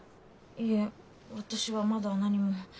いえ私はまだ何も。